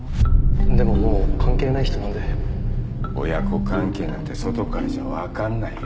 でももう関係ない人なんで親子関係なんて外からじゃ分かんないよ。